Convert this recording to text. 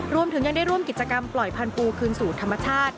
รวมถึงยังได้ร่วมกิจกรรมปล่อยพันธูคืนสู่ธรรมชาติ